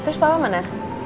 terus papa mana